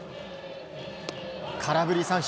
空振り三振。